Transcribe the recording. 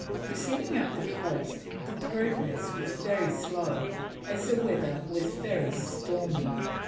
Proceeding up the coast the progress was very slow as the weather was very stormy.